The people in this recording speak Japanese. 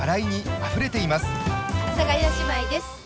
阿佐ヶ谷姉妹です。